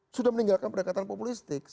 sudah meninggalkan pendekatan populistik